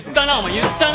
言ったな。